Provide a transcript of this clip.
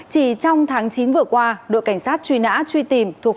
chỉ trong tháng chín vừa qua đội cảnh sát truy nã truy tìm